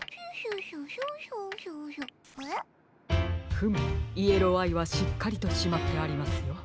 フムイエローアイはしっかりとしまってありますよ。